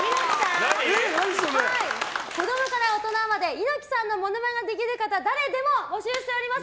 子供から大人まで猪木さんのものまねをできる方誰でも募集しております。